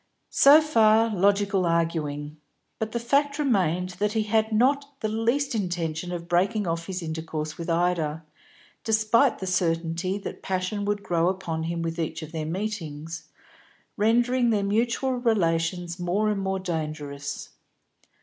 So far logical arguing. But the fact remained that he had not the least intention of breaking off his intercourse with Ida, despite the certainty that passion would grow upon him with each of their meetings, rendering their mutual relations more and more dangerous.